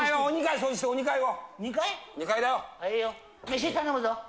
飯頼むぞ。